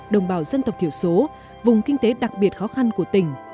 đồng bào dân tộc thiểu số vùng kinh tế đặc biệt khó khăn của tỉnh